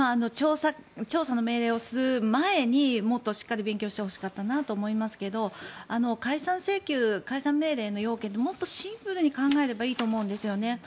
調査の命令をする前にもっとしっかり勉強してほしかったなと思いますけど解散命令の要件ってもっとシンプルに考えればいいと思うんですよね。